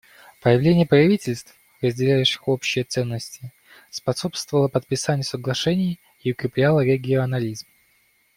Появление правительств, разделяющих общие ценности, способствовало подписанию соглашений и укрепляло регионализм.